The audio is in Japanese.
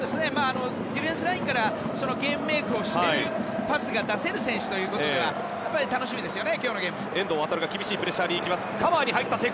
ディフェンスラインからゲームメークをしてパスを出せる選手なので楽しみですよね。